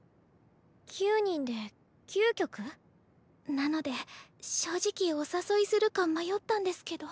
９人で９曲？なので正直お誘いするか迷ったんですけど。